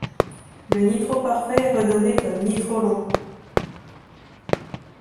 Le nitro parfait est renommé comme nitro long.